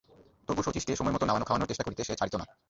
তবু শচীশকে সময়মত নাওয়ানো-খাওয়ানোর চেষ্টা করিতে সে ছাড়িত না।